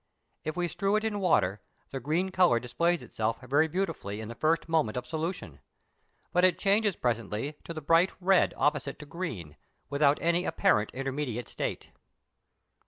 If we strew it in water, the green colour displays itself very beautifully in the first moment of solution, but it changes presently to the bright red opposite to green, without any apparent intermediate state.